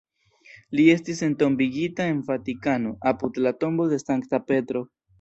Li estis entombigita en Vatikano, apud la tombo de Sankta Petro.